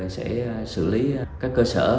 sẽ xử lý các cơ sở